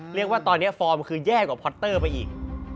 เรียกว่าตอนนี้ฟอร์มคือแย่กว่าพอตเตอร์ไปอีก